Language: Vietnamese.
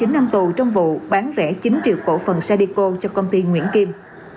một mươi chín năm tù trong vụ bán rẻ chín triệu cổ phần sadiko cho công ty nguyễn kim